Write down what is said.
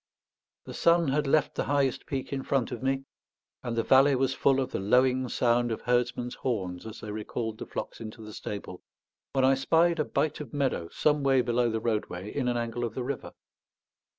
The sun had left the highest peak in front of me, and the valley was full of the lowing sound of herdsmen's horns as they recalled the flocks into the stable, when I spied a bight of meadow some way below the roadway in an angle of the river.